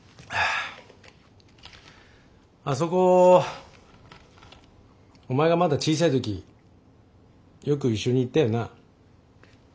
あそこお前がまだ小さい時よく一緒に行ったよな。